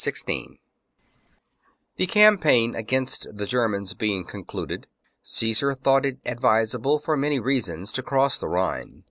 Sines^tr ^^'^^^^ campaign against the Germans being Rhine^^ concluded, Caesar thought it advisable for many reasons to cross the Rhine.